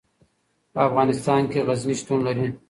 په افغانستان کې غزني شتون لري.